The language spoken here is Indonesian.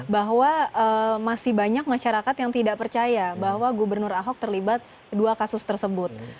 bahwa masih banyak masyarakat yang tidak percaya bahwa gubernur ahok terlibat dua kasus tersebut